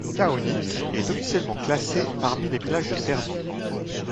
Kaonik est officiellement classé parmi les villages de Serbie.